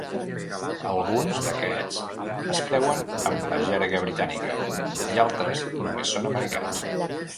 Alguns d'aquests es creuen amb la gerga britànica, i altres només són americans.